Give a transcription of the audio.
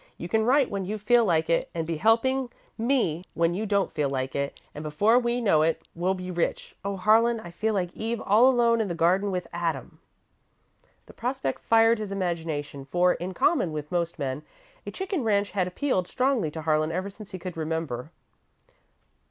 You can write when you feel like it, and be helping me when you don't feel like it, and before we know it, we'll be rich. Oh, Harlan, I feel like Eve all alone in the Garden with Adam!" The prospect fired his imagination, for, in common with most men, a chicken ranch had appealed strongly to Harlan ever since he could remember.